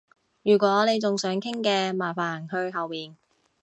如果你仲想傾嘅，麻煩去後面